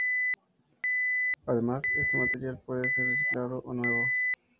Además, este material puede ser reciclado ó nuevo.